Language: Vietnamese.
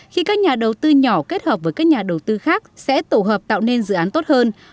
khi các nhà đầu tư nhỏ kết hợp với các nhà đầu tư khác sẽ tổ hợp tạo nên dự án tốt hơn